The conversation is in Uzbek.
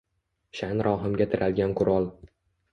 Shaʼn-rohimga tiralgan qurol.